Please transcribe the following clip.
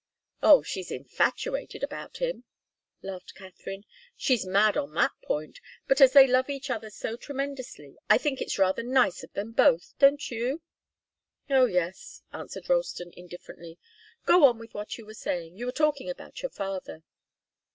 "Oh she's infatuated about him," laughed Katharine. "She's mad on that point, but as they love each other so tremendously, I think it's rather nice of them both don't you?" "Oh yes," answered Ralston, indifferently. "Go on with what you were saying. You were talking about your father."